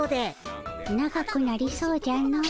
長くなりそうじゃの。